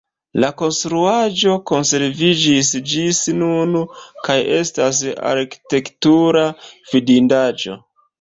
La konstruaĵo konserviĝis ĝis nun kaj estas arkitektura vidindaĵo.